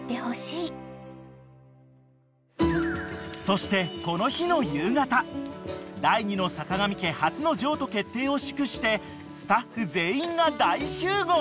［そしてこの日の夕方第２の坂上家初の譲渡決定を祝してスタッフ全員が大集合］